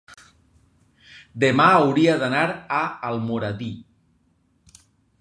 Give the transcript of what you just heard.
Demà hauria d'anar a Almoradí.